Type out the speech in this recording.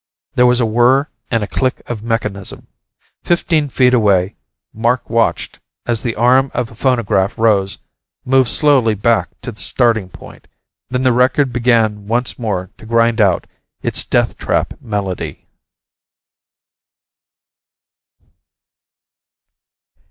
There was a whir and a click of a mechanism. Fifteen feet away, Mark watched as the arm of a phonograph rose, moved slowly back to the starting point. Then the record began once more to grind out its death trap melody.